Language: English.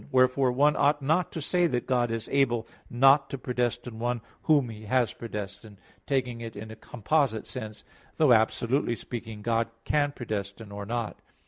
Wherefore one ought not to say that God is able not to predestinate one whom He has predestinated, taking it in a composite sense, thought, absolutely speaking, God can predestinate or not.